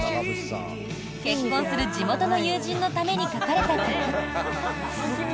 結婚する地元の友人のために書かれた曲。